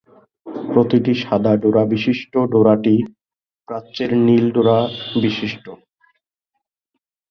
প্রতিটি সাদা ডোরা বিশিষ্ট ডোরাটি প্রাচ্যের নীল ডোরা বিশিষ্ট।